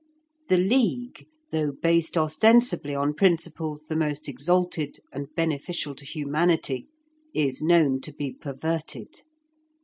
The League, though based ostensibly on principles the most exalted and beneficial to humanity, is known to be perverted.